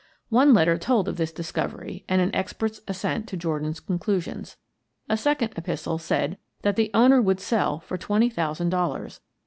One letter told of this discovery and an expert's assent to Jordan's conclusions. A sec ond epistle said that the owner would sell for twenty thousand dollars.